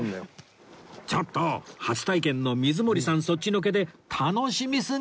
初体験の水森さんそっちのけで楽しみすぎ